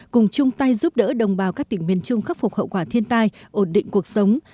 cùng chung tay giúp đỡ đồng bào các tỉnh miền trung khắc phục hậu quả thiên tai ổn định cuộc sống